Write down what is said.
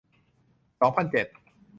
สองพันเจ็ด